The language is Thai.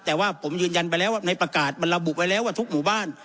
แต่ว่าผมยืนยันไปแล้วว่าในประกาศมันระบุไว้แล้วว่าทุกหมู่บ้าน